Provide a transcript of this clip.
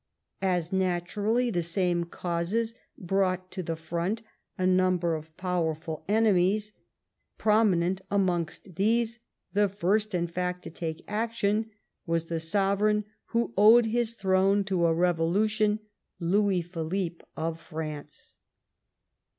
As naturally, the same causes brought to the front a number of powerful enemies. Prominent amongst these — the first, in fact, to take action — was the sovereign who owed his throne to a revolution, Louis Philippe of France.